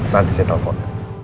nanti saya telfon